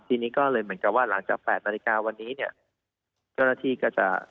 ทีนี้ก็เลยเหมือนกับว่าหลังจาก๘นาฬิกาวันนี้เนี่ยเจ้าหน้าที่ก็จะ